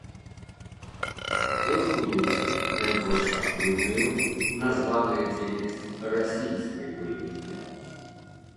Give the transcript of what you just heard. У дакуменце найбольш актыўнаю названая дзейнасць расійскай выведкі.